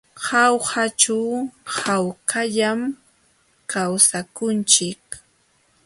Jaujaćhu hawkallam kawsakunchik.